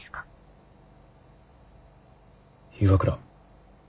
岩倉。